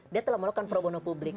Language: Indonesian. dia telah melakukan pro bono publik